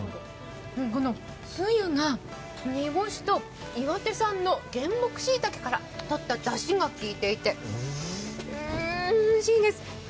このつゆが、にぼしと岩手県産の原木しいたけから取っただしがきいていてうん、おいしいんです。